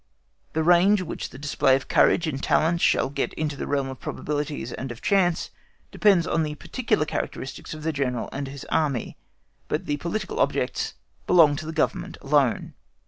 The range which the display of courage and talents shall get in the realm of probabilities and of chance depends on the particular characteristics of the General and his Army, but the political objects belong to the Government alone.